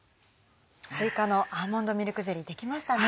すいかのアーモンドミルクゼリーできましたね。